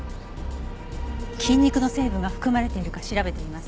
菌肉の成分が含まれているか調べてみます。